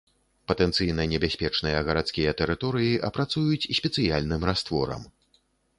Патэнцыйна небяспечныя гарадскія тэрыторыі апрацуюць спецыяльным растворам.